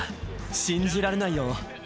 信じられないよ。